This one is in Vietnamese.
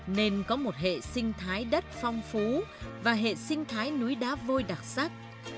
nên có một hệ sinh thái đất phong phú và hệ sinh thái núi đá vôi đặc sắc